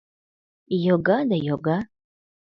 — Йога да йога.